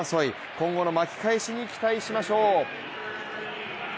今後の巻き返しに期待しましょう。